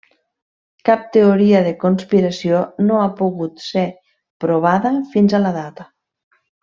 Cap teoria de conspiració no ha pogut ser provada fins a la data.